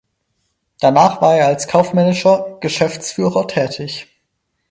Danach war er als kaufmännischer Geschäftsführer tätig.